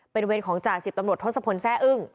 เป็นเวรของจ่าสิบตำรวจทศพลแซ่อึ้ง